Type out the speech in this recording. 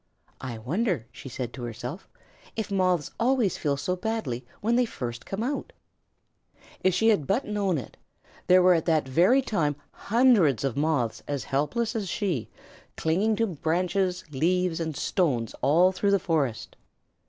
"I wonder," she said to herself, "if Moths always feel so badly when they first come out?" If she had but known it, there were at that very time hundreds of Moths as helpless as she, clinging to branches, leaves, and stones all through the forest.